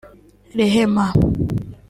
Rehema’